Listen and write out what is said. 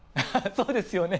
そうですよね。